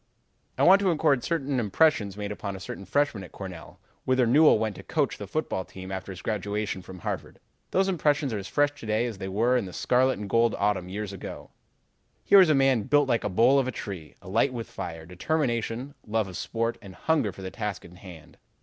"I want to record certain impressions made upon a certain freshman at Cornell, whither Newell went to coach the football team after his graduation from Harvard. Those impressions are as fresh to day as they were in that scarlet and gold autumn years ago. "Here was a man built like the bole of a tree, alight with fire, determination, love of sport, and hunger for the task in hand.